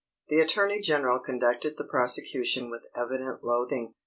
The attorney general conducted the prosecution with evident loathing.